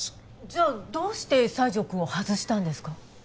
じゃあどうして西条くんを外したんですか？